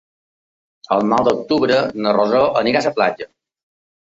El nou d'octubre na Rosó anirà a la platja.